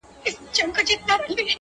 په ځواب کي بايد عرض وکړم